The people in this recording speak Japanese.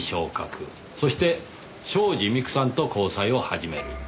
そして東海林美久さんと交際を始める。